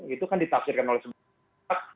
itu kan ditafsirkan oleh sebagian pihak